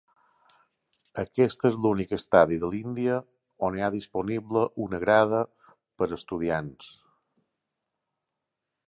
Aquest és l'únic estadi de l'Índia on hi ha disponible una grada per a estudiants.